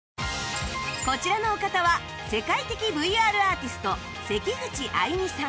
こちらのお方は世界的 ＶＲ アーティストせきぐちあいみさん